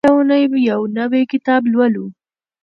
موږ هره اونۍ یو نوی کتاب لولو.